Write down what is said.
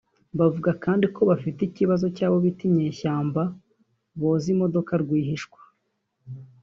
Bavuga kandi ko bafite ikibazo cy’abo bita “Inyeshyamba” boza imodoka rwihishwa